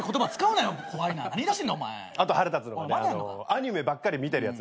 アニメばっかり見てるやつね。